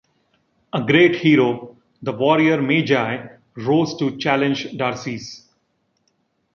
A great hero, the warrior "Magi", rose to challenge Darces.